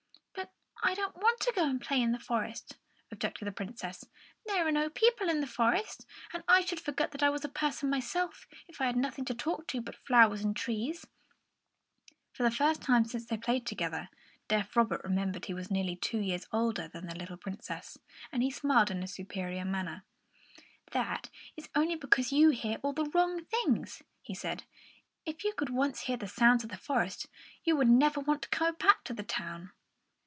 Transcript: "But I don't want to go and play in the forest," objected the Princess. "There are no people in the forest; and I should forget I was a person myself, if I had nothing to talk to but the flowers and the trees." For the first time since they had played together, deaf Robert remembered that he was nearly two years older than the little Princess; and he smiled in a superior manner. "That is only because you hear all the wrong things," he said. "If you could once hear the sounds of the forest, you would never want to come back to the town."